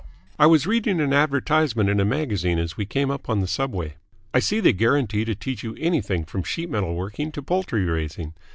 I was reading an advertisement in a magazine as we came up on the subway. I see they guarantee to teach you anything from sheet metal working to poultry raising.